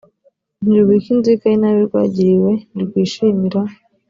ntirubika inzika y inabi rwagiriwe ntirwishimira